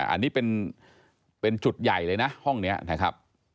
อันนี้เป็นจุดใหญ่เลยนะห้องนี้นะครับ